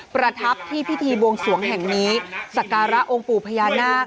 ประทับที่พิธีบวงสวงแห่งนี้สักการะองค์ปู่พญานาค